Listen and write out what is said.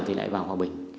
thì lại vào họa bình